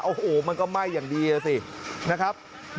โอ้โฮมันก็ไหม้อย่างดีน่ะสิ